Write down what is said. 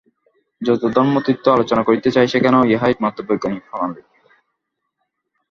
যদি ধর্মতত্ত্ব আলোচনা করিতে চাই, সেখানেও ইহাই একমাত্র বৈজ্ঞানিক প্রণালী।